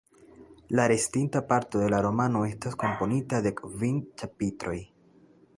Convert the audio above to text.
La restinta parto de la romano estas komponita de kvin ĉapitroj.